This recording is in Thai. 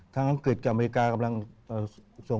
อังกฤษกับอเมริกากำลังส่ง